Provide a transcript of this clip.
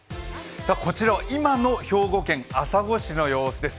こちらは今の兵庫県朝来市の様子です。